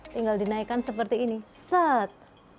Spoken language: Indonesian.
tinggal dinaikkan seperti ini set